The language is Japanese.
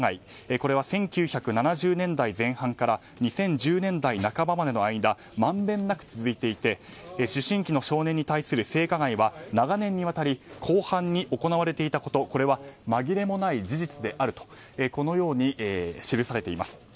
これは１９７０年代前半から２０１０年代半ばまでの間まんべんなく続いていて思春期の少年に対して性加害は長年にわたり広範に行われていたことこれは紛れもない事実であるとこのように記されています。